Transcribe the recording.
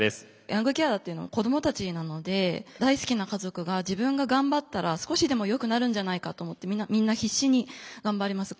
ヤングケアラーっていうのは子どもたちなので大好きな家族が自分が頑張ったら少しでもよくなるんじゃないかと思ってみんな必死に頑張ります。